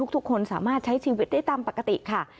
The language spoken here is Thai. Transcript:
ทุกคนสามารถใช้ชีวิตได้ตามปกติค่ะ